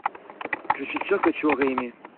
je suis sûr que tu aurais aimé.